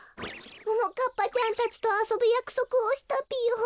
ももかっぱちゃんたちとあそぶやくそくをしたぴよ。